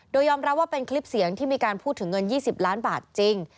โดยยอมรับว่าเป็นคลิปเสียงที่มีการพูดถึงเงิน๒๐ล้านบาทจริง